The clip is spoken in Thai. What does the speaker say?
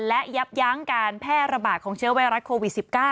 และยับยั้งการแพร่ระบาดของเชื้อไวรัสโควิด๑๙